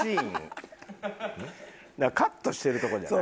カットしてるとこじゃない？